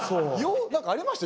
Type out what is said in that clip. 何かありました？